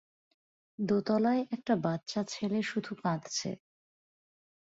দোতলায় একটা বাচ্চা ছেলে শুধু কাঁদছে।